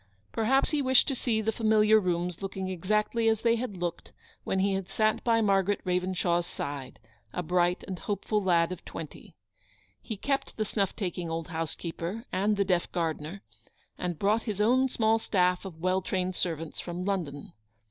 Perhaps he wished to see the familiar rooms looking exactly as 'they had looked when he had sat by Margaret Ravenshaw's side, a bright and hopeful lad of twenty. He kept the snuff taking old housekeeper and the deaf gardener, and brought his own small staff of well trained servants from London.